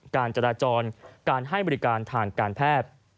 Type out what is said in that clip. การจราจรการให้บริการทางการแพทย์